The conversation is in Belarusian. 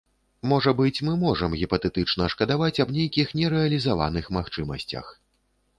Можа быць, мы можам гіпатэтычна шкадаваць аб нейкіх нерэалізаваных магчымасцях.